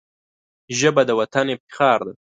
ژبه د وطن افتخار ده